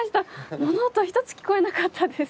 物音一つ聞こえなかったです。